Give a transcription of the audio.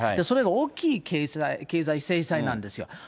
それが大きい経済制裁なんですよ。